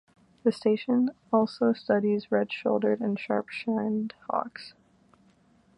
The station also studies Red-shouldered and Sharp-shinned Hawks.